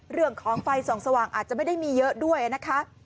เรื่องของไฟส่องสว่างอาจจะไม่ได้มีเยอะด้วยนะคะ